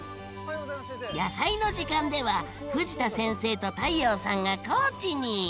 「やさいの時間」では藤田先生と太陽さんが高知に！